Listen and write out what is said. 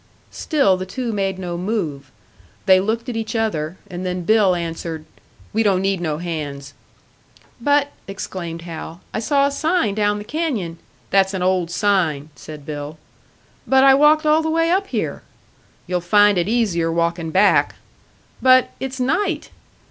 Still the two made no move. They looked at each other, and then Bill answered, "We don't need no hands." "But," exclaimed Hal, "I saw a sign down the canyon " "That's an old sign," said Bill. "But I walked all the way up here!" "You'll find it easier walkin' back." "But it's night!"